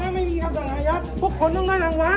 เออเออไม่มีความสั่งอาญาติพวกคนนั้นรับรางวัล